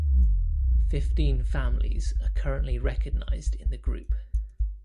Fifteen families are currently recognised in the group.